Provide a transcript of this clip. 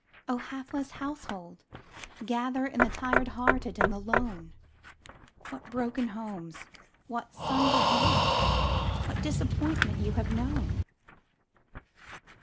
Oh, hapless household, gather in The tired hearted and the lone! What broken homes, what sundered love, What disappointment you have known!